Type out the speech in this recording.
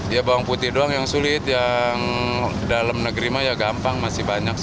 ya bawang putih doang yang sulit yang dalam negeri mah ya gampang masih banyak sih